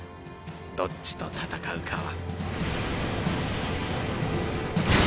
どっちと戦うかは。